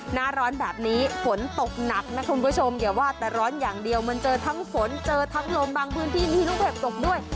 หน้าร้อนแบบนี้ฝนตกหนักนะคุณผู้ชมอย่าว่าแต่ร้อนอย่างเดียวมันเจอทั้งฝนเจอทั้งลมบางพื้นที่มีลูกเห็บตกด้วย